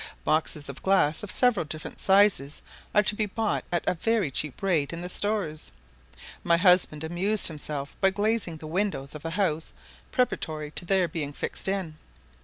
Boxes of glass of several different sizes are to be bought at a very cheap rate in the stores. My husband amused himself by glazing the windows of the house preparatory to their being fixed in.